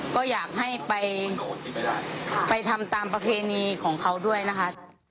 ก็อยากให้ไปทำตามประเพณีของเขาด้วยนะคะ